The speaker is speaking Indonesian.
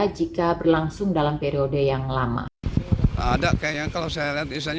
yang ini diperlukan untuk mengantisipasi paparan sinar matahari yang dapat membahayakan pekerjaan di luar ruangan